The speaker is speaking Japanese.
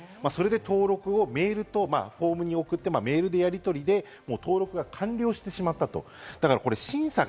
それで登録をメールとフォームに送って、メールでやり取りで登録が完了してしまったと。